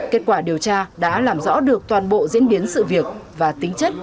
kết quả điều tra đã làm rõ được toàn bộ diễn biến sự việc và tính chất